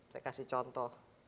saya kasih contoh